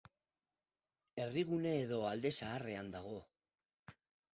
Herrigune edo Alde Zaharrean dago.